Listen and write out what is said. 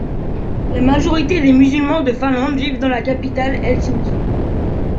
La majorité des musulmans de Finlande vivent dans la capitale, Helsinki.